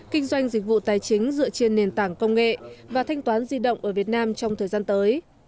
kinh doanh dịch vụ tài chính dựa trên nền tảng công nghệ và thanh toán di động ở việt nam trong thời gian tới